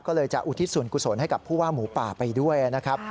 ก็เลยจะอุทิศส่วนกุศลให้กับผู้ว่าหมูป่าไปด้วยนะครับ